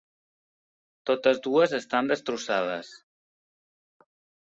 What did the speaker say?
Totes dues estan destrossades.